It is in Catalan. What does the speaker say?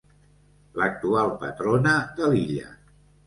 L'actual patrona de l'illa.